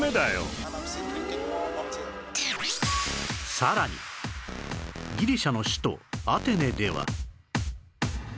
さらにギリシャの首都アテネでは